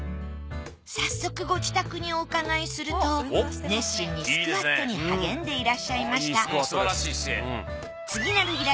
早速ご自宅にお伺いすると熱心にスクワットに励んでいらっしゃいました。